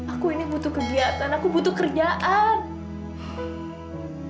aku ini butuh kegiatan aku butuh kerjaan